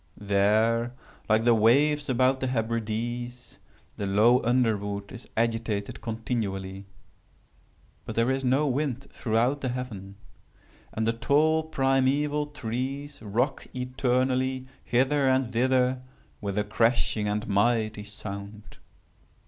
There, like the waves about the Hebrides, the low underwood is agitated continually. But there is no wind throughout the heaven. And the tall primeval trees rock eternally hither and thither with a crashing and mighty sound.